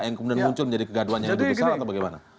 yang kemudian muncul menjadi kegaduan yang lebih besar atau bagaimana